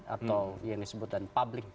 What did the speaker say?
atau yang disebutkan public